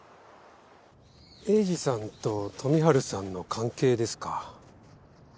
栄治さんと富治さんの関係ですか？